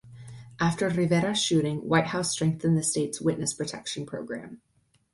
After Rivera's shooting, Whitehouse strengthened the state's witness protection program.